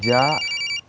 kau kenal dia ga